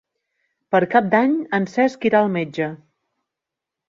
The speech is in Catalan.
Per Cap d'Any en Cesc irà al metge.